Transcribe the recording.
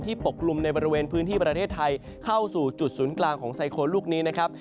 ปกลุ่มในบริเวณพื้นที่ประเทศไทยเข้าสู่จุดศูนย์กลางของไซโครนลูกนี้นะครับ